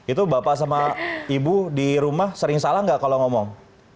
itu bapak sama ibu di rumah sering salah nggak kalau ngomong